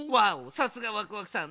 さすがワクワクさん。